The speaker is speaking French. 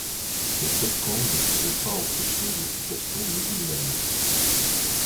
Mais les Toscans ne pourront pas empêcher l'occupation musulmane.